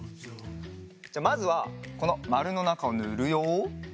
じゃあまずはこのまるのなかをぬるよ。